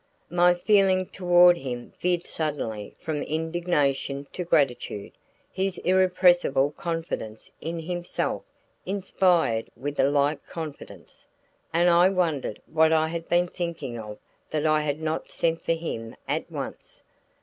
My feeling toward him veered suddenly from indignation to gratitude. His irrepressible confidence in himself inspired me with a like confidence, and I wondered what I had been thinking of that I had not sent for him at once.